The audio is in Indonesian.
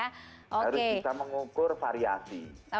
harus bisa mengukur variasi